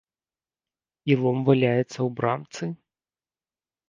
І лом валяецца ў брамцы?